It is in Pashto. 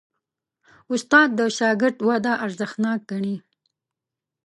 استاد د شاګرد وده ارزښتناک ګڼي.